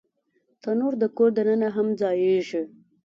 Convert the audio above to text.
تنور د کور دننه هم ځایېږي